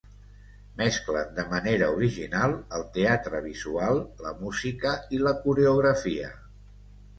Mesclen de manera original el teatre visual, la música i la coreografia.